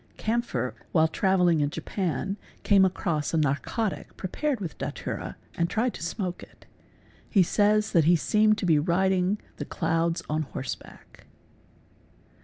Kampfer, while traveling in Japan, cami across a narcotic prepared with datwra and tried to smoke it. Hen that he seemed to be riding the clouds on horseback.